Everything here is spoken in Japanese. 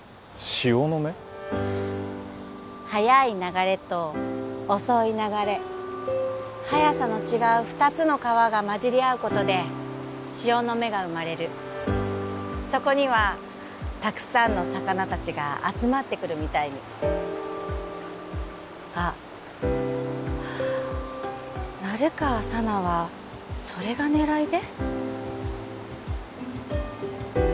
速い流れと遅い流れ速さの違う二つの川が混じり合うことで潮の目が生まれるそこにはたくさんの魚達が集まってくるみたいにあっ成川佐奈はそれが狙いで？